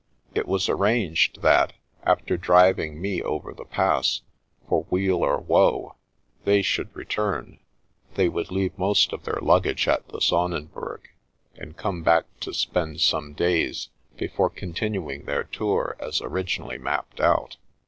It was arranged that, after driving me over the Pass, for weal or woe, they should return. They would leave most of their luggage at the Sonnenberg, and come back In Search of a Mule 6 1 to spend some days, before continuing their tour as originally mapped out.